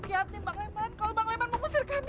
bang liman kalau bang liman mau mengusir kami